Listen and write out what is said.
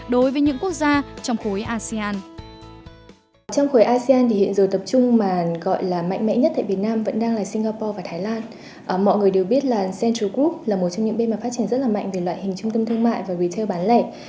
đối với những quốc gia trong khối asean